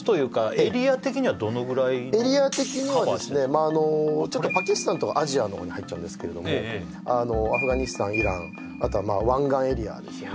エリア的にはですねパキスタンとかアジアのほうに入っちゃうんですけれどもアフガニスタンイランあとは湾岸エリアですよね